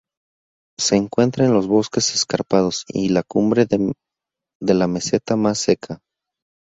Se encuentra en los bosques escarpados y la cumbre de la meseta más seca.